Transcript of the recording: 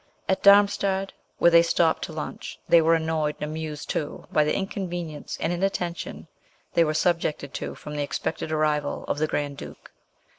At Darmstadt, where they stopped to lunch, they were annoyed and amused too by the inconvenience and inattention they were subjected to from the expected arrival of the Grand Duke.